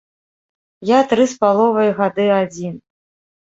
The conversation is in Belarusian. Я тры з паловай гады адзін.